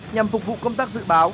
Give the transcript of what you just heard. nhằm phục vụ công tác dự báo